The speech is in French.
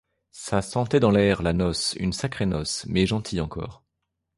Ça sentait dans l'air la noce, une sacrée noce, mais gentille encore.